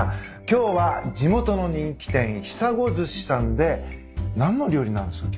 今日は地元の人気店ひさご寿しさんで何の料理なんですか？